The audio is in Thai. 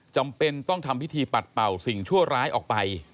จำเป็นต้องทำพิธีปัดเป่าสิ่งชั่วร้ายออกไป